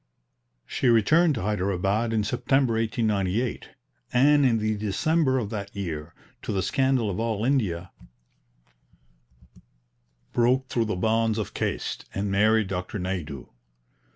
She returned to Hyderabad in September 1898, and in the December of that year, to the scandal of all India, broke through the bonds of caste, and married Dr. Naidu.